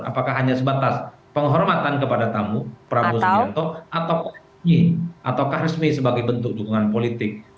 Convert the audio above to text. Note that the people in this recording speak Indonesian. apakah hanya sebatas penghormatan kepada tamu prabowo subianto atau resmi sebagai bentuk dukungan politik